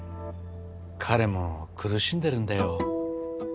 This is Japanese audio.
彼も苦しんでるんだよ